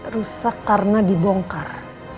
rusak karena dibongkar